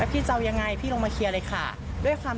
แล้วก็แยกย้ายกันไปเธอก็เลยมาแจ้งความ